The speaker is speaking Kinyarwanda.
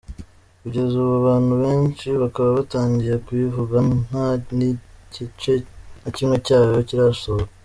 Kugeza ubu abantu benshi bakaba batangiye kuyivuga nta n’igice na kimwe cyayo kirashoka.